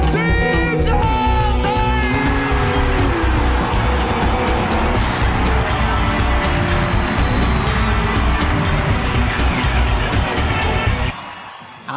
ทีมชาติ